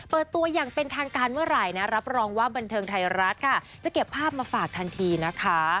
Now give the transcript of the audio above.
เปิดตัวอย่างเป็นทางการเมื่อไหร่นะรับรองว่าบันเทิงไทยรัฐค่ะจะเก็บภาพมาฝากทันทีนะคะ